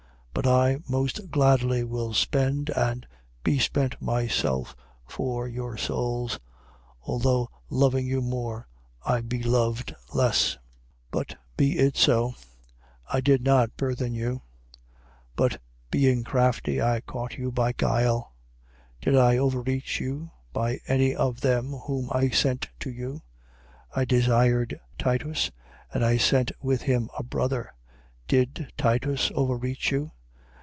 12:15. But I most gladly will spend and be spent myself for your souls: although loving you more, I be loved less. 12:16. But be it so: I did not burthen you: but being crafty, I caught you by guile. 12:17. Did I overreach you by any of them whom I sent to you? 12:18. I desired Titus: and I sent with him a brother. Did Titus overreach you?